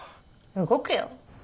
動くよ。